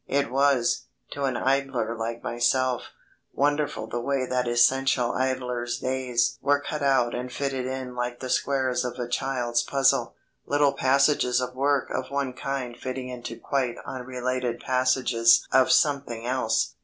It was, to an idler like myself, wonderful the way that essential idler's days were cut out and fitted in like the squares of a child's puzzle; little passages of work of one kind fitting into quite unrelated passages of something else.